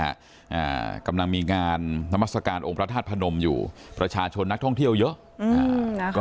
อ่ากำลังมีงานนามัศกาลองค์พระธาตุพนมอยู่ประชาชนนักท่องเที่ยวเยอะอืมอ่า